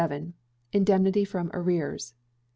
Indemnity from Arrears.